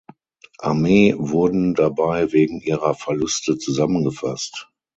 Armee wurden dabei wegen ihrer Verluste zusammengefasst.